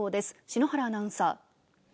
篠原アナウンサー。